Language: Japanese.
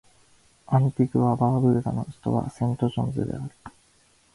アンティグア・バーブーダの首都はセントジョンズである